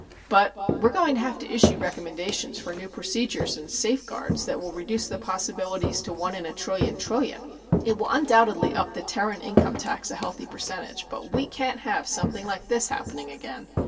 But we're going to have to issue recommendations for new procedures and safeguards that will reduce the possibilities to one in a trillion trillion. It will undoubtedly up the Terran income tax a healthy percentage, but we can't have something like this happening again.